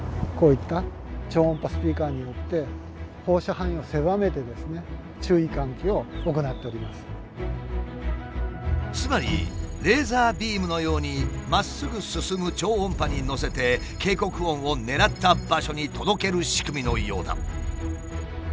なのでこういったつまりレーザービームのようにまっすぐ進む超音波に乗せて警告音を狙った場所に届ける仕組みのようだ。